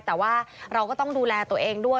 แต่ว่าเราก็ต้องดูแลตัวเองด้วย